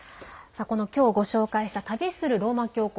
今日、ご紹介した「旅するローマ教皇」